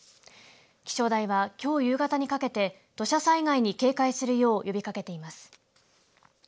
気象台はきょう夕方にかけて土砂災害に警戒するよう呼びかけています。